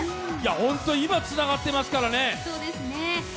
本当に、今つながってますからね。